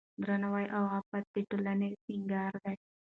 درناوی او عفت د ټولنې سینګار دی.